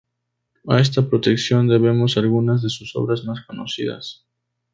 A esta protección debemos algunas de sus obras más conocidas.